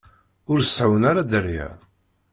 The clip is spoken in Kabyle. Ur seɛɛun ara dderya.